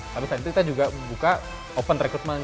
tapi selain itu kita juga buka open recruitment